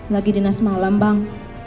lagi di nasi malam bang